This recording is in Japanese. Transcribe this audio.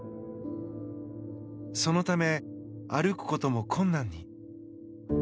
そのため、歩くことも困難に。